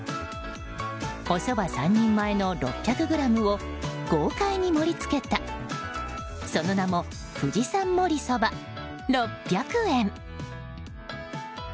おそば３人前の６００ｇを豪快に盛り付けたその名も富士山もりそば、６００円。